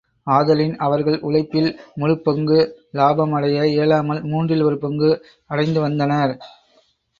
ஆதலின் அவர்கள் உழைப்பில் முழுப்பங்கு இலாபம் அடைய இயலாமல், மூன்றில் ஒரு பங்கு அடைந்துவந்தனர்.